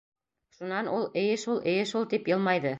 Шунан ул, эйе шул, эйе шул, тип йылмайҙы.